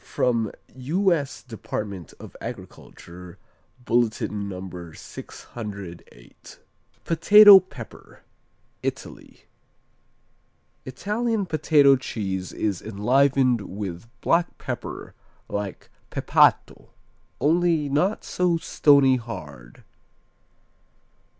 From U.S. Department of Agriculture Bulletin No. 608. Potato Pepper Italy Italian Potato cheese is enlivened with black pepper, like Pepato, only not so stony hard.